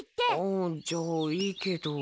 あっじゃあいいけど。